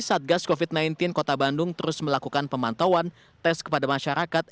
satgas covid sembilan belas kota bandung terus melakukan pemantauan tes kepada masyarakat